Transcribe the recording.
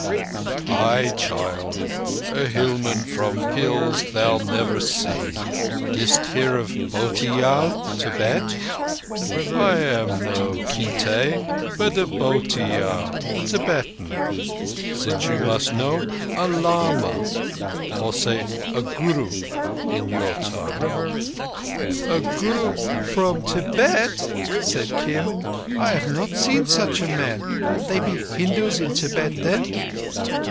"Aye, child—a hillman from hills thou'lt never see. Didst hear of Bhotiyal [Tibet]? I am no Khitai, but a Bhotiya [Tibetan], since you must know—a lama—or, say, a guru in your tongue." "A guru from Tibet," said Kim. "I have not seen such a man. They be Hindus in Tibet, then?"